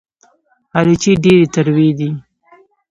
الوچې ډېرې تروې دي